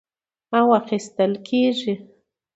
او اخىستل کېږي،